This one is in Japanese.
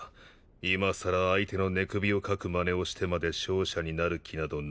いまさら相手の寝首をかくまねをしてまで勝者になる気などない。